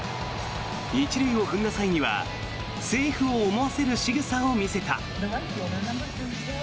１塁を踏んだ際にはセーフを思わせるしぐさを見せた。